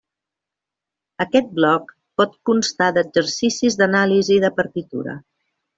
Aquest bloc pot constar d'exercicis d'anàlisi de partitura.